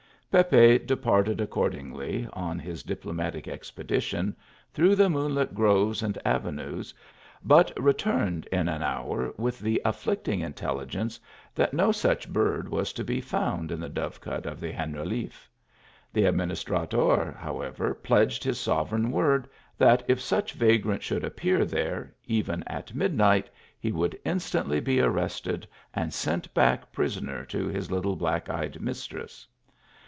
Pepe departed, accordingly, on his diplomatic expedition, through the moonlight groves and avenues, but returned in an hour with the af flicting intelligence that no such bird, was to be found" in the dove cote of the Generaliffe. The Ad ministrador, however, pledged his sovereign bird, that if such vagrant should appear there, even at midnight, he should instantly be arrested and sent back prisoner to his little black eyed mistress.